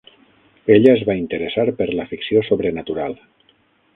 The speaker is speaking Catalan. Ella es va interessar per la ficció sobrenatural.